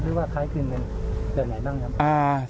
หรือว่าคล้ายคลื่นเป็นแบบไหนบ้างครับ